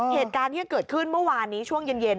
เหตุการณ์ที่เกิดขึ้นเมื่อวานนี้ช่วงเย็น